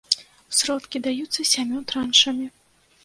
Сродкі даюцца сямю траншамі.